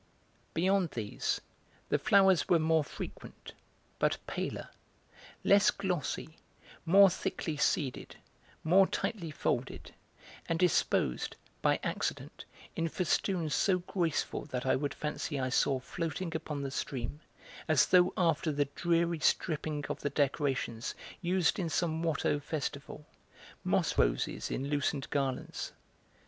Beyond these the flowers were more frequent, but paler, less glossy, more thickly seeded, more tightly folded, and disposed, by accident, in festoons so graceful that I would fancy I saw floating upon the stream, as though after the dreary stripping of the decorations used in some Watteau festival, moss roses in loosened garlands.